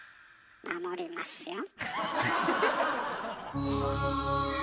守りますよ。